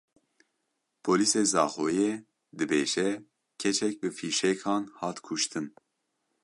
Polîsê Zaxoyê dibêje keçek bi fîşekan hat kuştin.